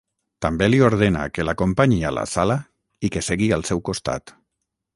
També li ordena que l'acompanyi a la sala i que segui al seu costat.